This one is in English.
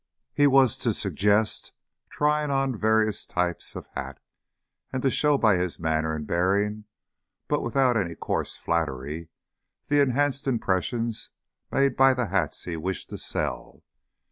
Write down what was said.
He was to suggest trying on various types of hat and to show by his manner and bearing, but without any coarse flattery, the enhanced impression made by the hats he wished to sell.